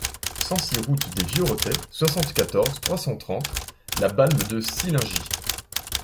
cent six route des Vieux Rotets, soixante-quatorze, trois cent trente, La Balme-de-Sillingy